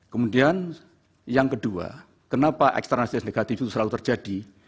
kemudian yang kedua kenapa eksternati dan negatif itu selalu terjadi